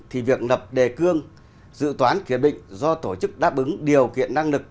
thì việc lập đề cương dự toán kiểm định do tổ chức đáp ứng điều kiện năng lực